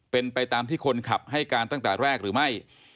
เป็นไปตามที่คนขับให้การตั้งแต่แรกหรือไม่